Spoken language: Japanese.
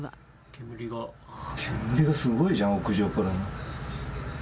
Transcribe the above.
煙がすごいじゃん、屋上から。